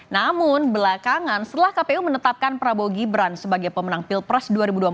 namun belakangan setelah kpu menetapkan prabowo gibran sebagai pemenang pilpres dua ribu dua puluh empat